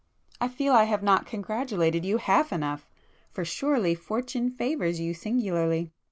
I feel I have not congratulated you half enough,—for surely Fortune favours you singularly.